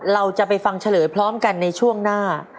เราจะไปฟังเฉลยพร้อมกันในช่วงหน้า